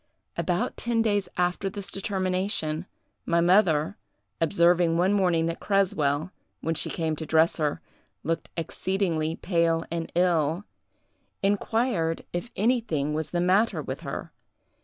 About ten days after this determination, my mother, observing one morning that Creswell, when she came to dress her, looked exceedingly pale and ill, inquired if anything was the matter with her.